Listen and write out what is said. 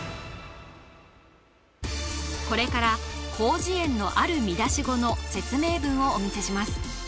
これから広辞苑のある見出し語の説明文をお見せします